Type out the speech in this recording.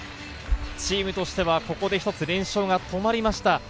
チームとしてはここで連勝が止まりました。